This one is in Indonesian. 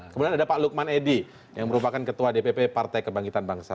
kemudian ada pak lukman edi yang merupakan ketua dpp partai kebangkitan bangsa